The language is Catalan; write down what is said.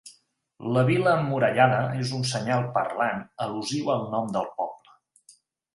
La vila emmurallada és un senyal parlant al·lusiu al nom del poble.